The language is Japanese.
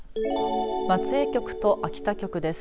松江局と秋田局です。